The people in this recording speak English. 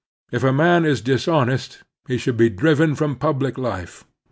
If a man is dishonest he should be driven from public life.